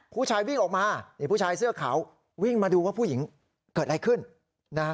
ผู้ชายวิ่งออกมานี่ผู้ชายเสื้อขาววิ่งมาดูว่าผู้หญิงเกิดอะไรขึ้นนะฮะ